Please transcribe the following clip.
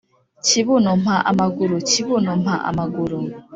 Kibuno mpa amaguru! kibuno mpa amaguru!